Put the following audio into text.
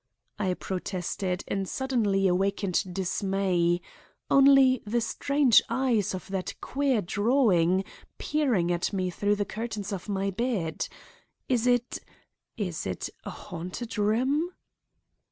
I protested in suddenly awakened dismay; 'only the strange eyes of that queer drawing peering at me through the curtains of my bed. Is it—is it a haunted room?